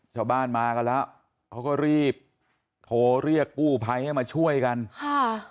ชาวบ้านมากันแล้วเขาก็รีบโทรเรียกกู้ภัยให้มาช่วยกันค่ะ